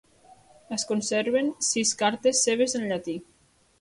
Es conserven sis cartes seves en llatí.